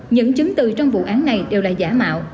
những chứng từ trong vụ án này đều là giả mạo